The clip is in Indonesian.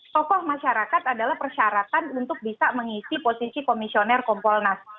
tokoh masyarakat adalah persyaratan untuk bisa mengisi posisi komisioner kompolnas